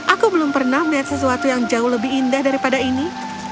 aku belum pernah melihat sesuatu yang jauh lebih indah daripada ini